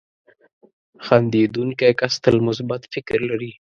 • خندېدونکی کس تل مثبت فکر لري.